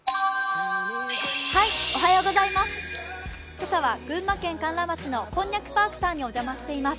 今朝は群馬県甘楽町のこんにゃくパークさんにお邪魔しています。